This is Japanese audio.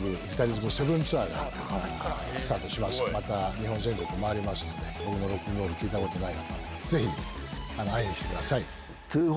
日本全国回りますので僕のロックンロール聴いたことない方ぜひ会いに来てください！